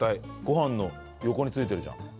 ごはんの横に付いてるじゃん。